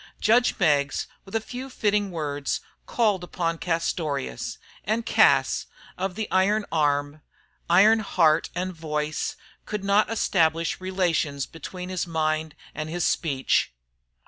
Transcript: Judge Meggs, with a few fitting words, called upon Castorious; and Cas, he of the iron arm, iron heart and voice, could not establish relations between his mind and his speech.